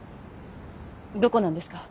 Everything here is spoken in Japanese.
どこなんですか？